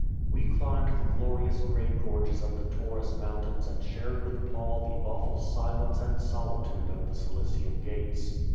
We climbed the glorious grey gorges of the Taurus mountains and shared with Paul the awful silence and soHtude of the Cilician Gates.